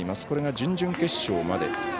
これが準々決勝まで。